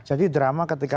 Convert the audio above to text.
jadi drama ketika